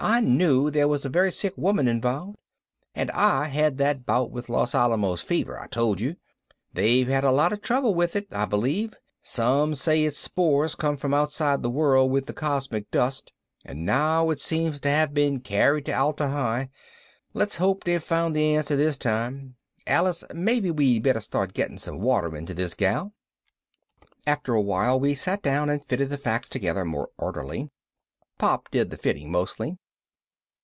"I knew there was a very sick woman involved. And I had that bout with Los Alamos fever I told you. They've had a lot of trouble with it, I believe some say its spores come from outside the world with the cosmic dust and now it seems to have been carried to Atla Hi. Let's hope they've found the answer this time. Alice, maybe we'd better start getting some water into this gal." After a while we sat down and fitted the facts together more orderly. Pop did the fitting mostly.